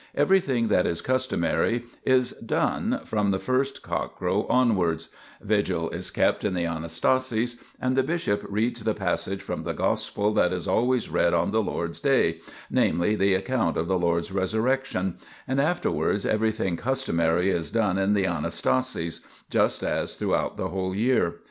10 ; S. John xiv. 15 24." 86 THE PILGRIMAGE OF ETHERIA cockcrow onwards ; vigil is kept in the Anastasis, and the bishop reads the passage from the Gospel that is always read on the Lord's Day, namely, the account of the Lord's Resurrection, and after wards everything customary is done in the Anasta sis, just as throughout the whole year.